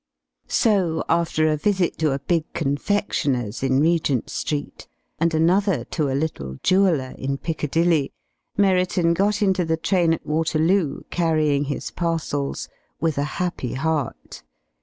So, after a visit to a big confectioners in Regent Street, and another to a little jeweller in Piccadilly, Merriton got into the train at Waterloo, carrying his parcels with a happy heart.